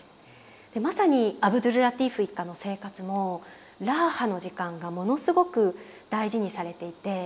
まさにアブドュルラティーフ一家の生活もラーハの時間がものすごく大事にされていて。